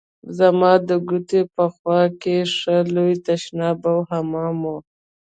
زما د کوټې په خوا کښې ښه لوى تشناب او حمام و.